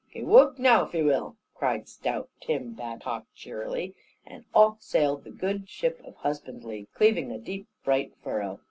"Gee wugg now, if e wull," cried stout Tim Badcock cheerily, and off sailed the good ship of husbandly, cleaving a deep bright furrow.